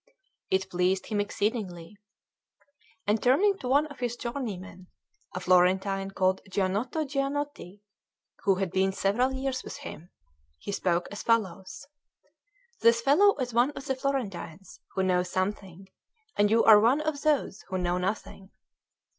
It pleased him exceedingly; and turning to one of his journeymen, a Florentine called Giannotto Giannotti, who had been several years with him, he spoke as follows: "This fellow is one of the Florentines who know something, and you are one of those who know nothing."